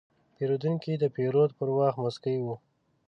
پیرودونکی د پیرود پر وخت موسکی و.